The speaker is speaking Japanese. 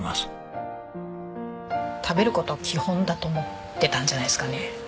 食べる事が基本だと思ってたんじゃないですかね。